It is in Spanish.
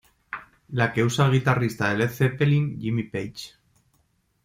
La que usa el guitarrista de Led Zeppelin Jimmy Page.